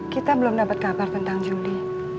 kita belum dapat kabar tentang juli